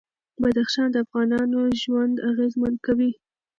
بدخشان د افغانانو ژوند اغېزمن کوي.